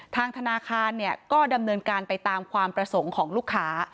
ทางธนาคารก็ดำเนินการไปตามความประสงค์ของลูกค้า